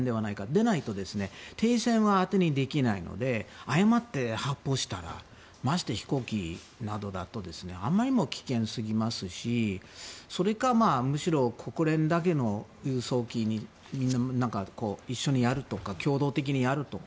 でないと停戦は当てにできないので誤って発砲したらましてや飛行機などだとあまりにも危険すぎますしそれか、むしろ国連だけの輸送機にみんな一緒にやるとか共同的にやるとか。